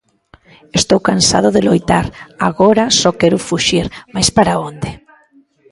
Estou cansado de loitar, agora só quero fuxir, mais para onde?